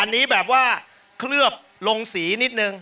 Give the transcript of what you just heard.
อันนี้แบบว่าเคลือบลงสีนิดนึง